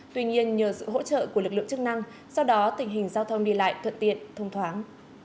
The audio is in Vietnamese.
tuy nhiên nhờ sự hỗ trợ của lực lượng chức năng sau đó tình hình giao thông đi lại thuận tiện thông thoáng